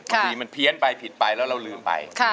บางทีมันเพี้ยนไปผิดไปแล้วเราลืมไป